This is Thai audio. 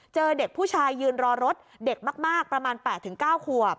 เจอเด็กผู้ชายยืนรอรถเด็กมากประมาณ๘๙ขวบ